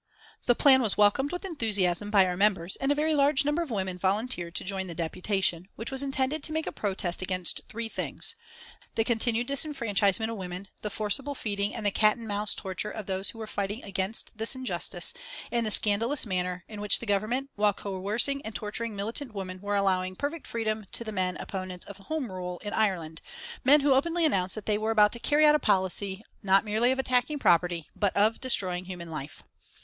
The plan was welcomed with enthusiasm by our members and a very large number of women volunteered to join the deputation, which was intended to make a protest against three things the continued disfranchisement of women; the forcible feeding and the cat and mouse torture of those who were fighting against this injustice; and the scandalous manner in which the Government, while coercing and torturing militant women, were allowing perfect freedom to the men opponents of Home Rule in Ireland, men who openly announced that they were about to carry out a policy, not merely of attacking property, but of destroying human life.